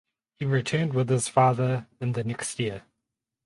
He returned with his father in the next year.